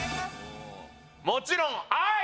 もちろん「愛」！